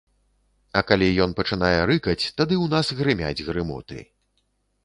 А калі ён пачынае рыкаць, тады ў нас грымяць грымоты.